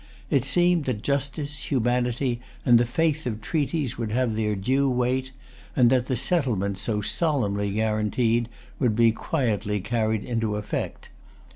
It seemed that justice, humanity, and the faith of treaties would have their due weight, and that the settlement so solemnly guaranteed would be quietly carried into effect.